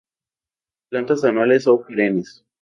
Plantas anuales o perennes.